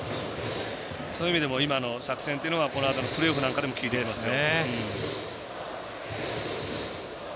そういう意味でも今の作戦というのがこのあとのプレーオフなんかでも効いてきますよ。